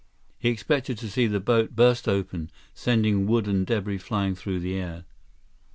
He expected to see the boat burst open, sending wood and debris flying through the air.